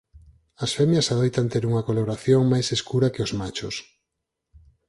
As femias adoitan ter unha coloración máis escura que os machos.